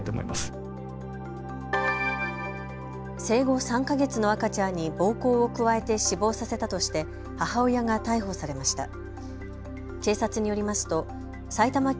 生後３か月の赤ちゃんに暴行を加えて死亡させたとして母親が逮捕されました。